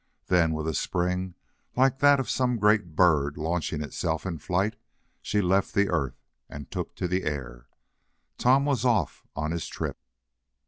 Then with a spring like that of some great bird launching itself in flight, she left the earth, and took to the air. Tom was off on his trip.